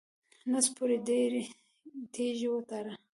نس پورې دې تیږې وتړه.